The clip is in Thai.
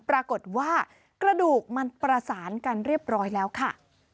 ปรากฏว่ากระดูกมันประสานกันเรียบร้อยแล้วค่ะ